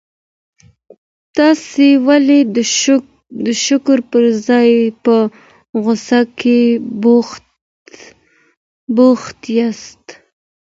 تاسي ولي د شکر پر ځای په غوسه کي بوخت یاست؟